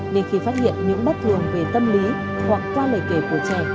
nên khi phát hiện những bất thường về tâm lý hoặc qua lời kể của trẻ